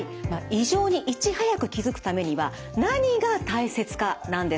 異常にいち早く気付くためには何が大切かなんです。